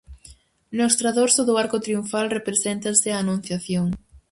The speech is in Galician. No extradorso do arco triunfal represéntase a Anunciación.